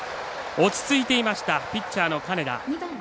落ち着いていましたピッチャーの金田。